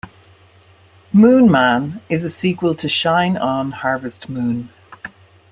Moon Man" is a sequel to "Shine on, Harvest Moon.